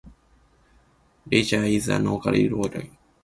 Richa is the nearest rural locality.